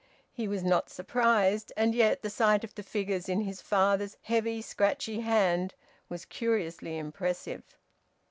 He was not surprised, and yet the sight of the figures in his father's heavy, scratchy hand was curiously impressive.